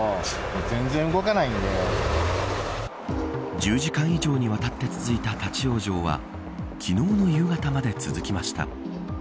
１０時間以上にわたって続いた立ち往生は昨日の夕方まで続きました。